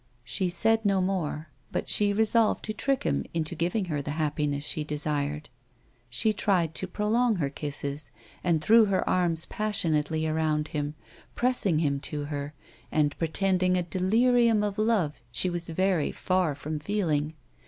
She said no more, but she resolved to trick him into giving her the happiness she desired. She tried to prolong her kisses, and thi ew her arms passionately around him, pressing him to her, and pretending a delirum of love she was very far from feeling.